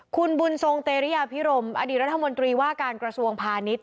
คุณบุญทรงเตรียพิรมอดีตรัฐมนตรีว่าการกระทรวงพาณิชย